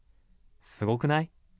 すごくない？